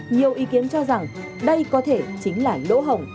nhiều ý kiến cho rằng đây có thể chính là lỗ hồng